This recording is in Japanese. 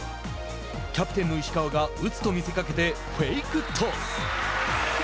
キャプテンの石川が打つと見せかけてフェイクトス。